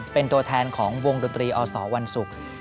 เป็นตัวแทนของวงดนตรีอสวรรณสุข